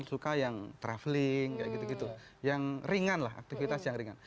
jendrung berkurang karena mereka jendrung suka yang travelling yang ringan lah aktivitas yang ringan